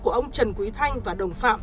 của ông trần quý thanh và đồng phạm